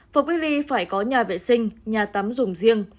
phòng cách ly phải có nhà vệ sinh nhà tắm dùng riêng